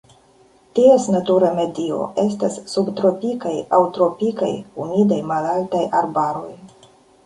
Ties natura medio estas subtropikaj aŭ tropikaj humidaj malaltaj arbaroj.